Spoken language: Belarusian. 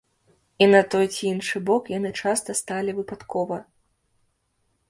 І на той ці іншы бок яны часта сталі выпадкова.